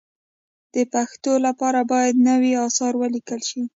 د پښتو لپاره باید نوي اثار ولیکل شي.